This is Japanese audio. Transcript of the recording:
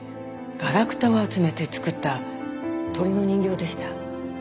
ガラクタを集めて作った鳥の人形でした。